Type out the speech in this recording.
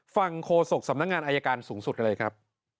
ฟังโคศกสำนักงานอัยการสูงสุดเลยครับ